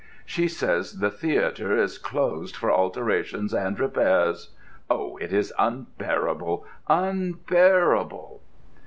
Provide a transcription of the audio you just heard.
—she says the theatre, is closed for alterations and repairs. Oh, it is unbearable, unbearable!"